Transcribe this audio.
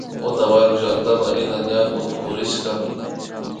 Otavalo llaktama rina ñan utukurishkami